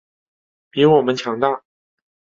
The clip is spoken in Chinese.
比我们强大